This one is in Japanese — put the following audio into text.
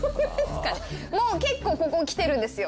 もう結構ここきてるんですよ。